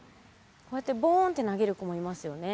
こうやってボーンって投げる子もいますよね。